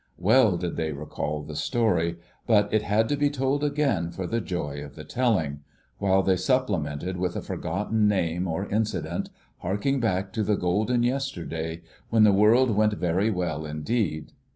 Well did they recall the story, but it had to be told again for the joy of the telling, while they supplemented with a forgotten name or incident, harking back to the golden yesterday, when the world went very well indeed.